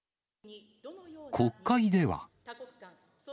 国会では。